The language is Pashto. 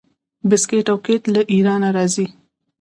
بسکیټ او کیک له ایران راځي.